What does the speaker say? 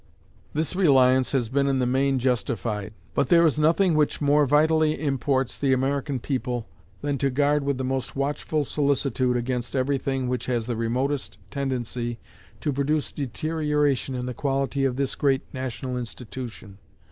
This reliance has been in the main justified; but there is nothing which more vitally imports the American people than to guard with the most watchful solicitude against every thing which has the remotest tendency to produce deterioration in the quality of this great national institution.